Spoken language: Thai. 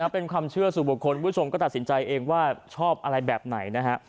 เป็นความเชื่อสู่บุคคลผู้ชมก็ตัดสินใจเองว่าชอบอะไรแบบไหนนะฮะ